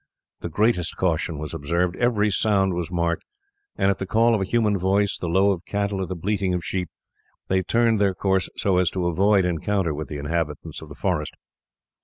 The greatest caution was observed; every sound was marked, and at the call of a human voice, the low of cattle, or the bleating of sheep, they turned their course so as to avoid encounter with the inhabitants of the forest.